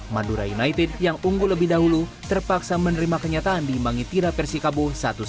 madura united yang unggul lebih dahulu terpaksa menerima kenyataan di imbangi tira persikabo satu satu